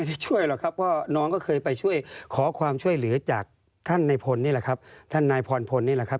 ไม่ได้ช่วยหรอกครับเพราะน้องก็เคยไปช่วยขอความช่วยหรือจากท่านนายพลนี่แหละครับ